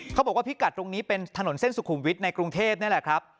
เขาบอกว่าพิกัดตรงนี้เป็นถนนเส้นสุขุมวิทย์ในกรุงเทพนี่แหละครับ